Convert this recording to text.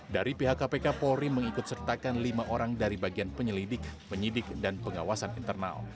dari pihak kpk polri mengikut sertakan lima orang dari bagian penyelidik penyidik dan pengawasan internal